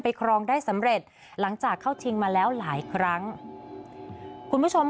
ครองได้สำเร็จหลังจากเข้าชิงมาแล้วหลายครั้งคุณผู้ชมค่ะ